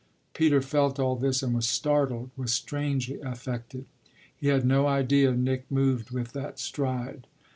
Peter felt all this and was startled, was strangely affected he had no idea Nick moved with that stride.